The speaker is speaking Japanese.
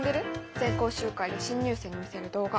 全校集会で新入生に見せる動画。